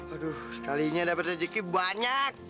aduh sekalinya dapet rezeki banyak